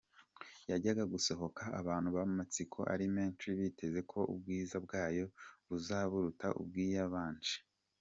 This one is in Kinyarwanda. Yajyaga gusohoka abantu amatsiko ari menshi biteze ko ubwiza bwayo buza buruta ubw’iyabanje.